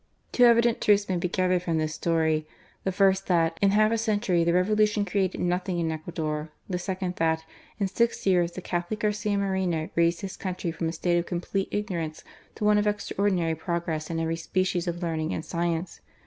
Two evident truths may be gathered from this story: the first that, in half a century the Revolution created nothing in Ecuador ; the second that, in six years, the Catholic, Garcia Moreno, raised his country from a state of complete igno rance to one of extraordinary progress in every species of learning and science.